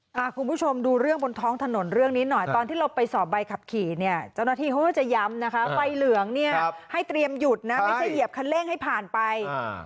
คุณผู้ชมดูเรื่องบนท้องถนนเรื่องนี้หน่อยตอนที่เราไปสอบใบขับขี่เนี่ยเจ้าหน้าที่เขาก็จะย้ำนะคะใบเหลืองเนี่ยให้เตรียมหยุดนะไม่ใช่เหยียบคันเร่งให้ผ่านไปอ่า